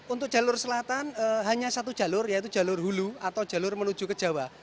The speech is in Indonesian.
untuk jalur selatan hanya satu jalur yaitu jalur hulu atau jalur menuju ke jawa